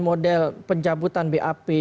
model penjabutan bap